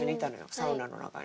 サウナの中に。